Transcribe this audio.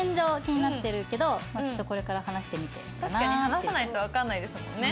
話さないとわかんないですもんね。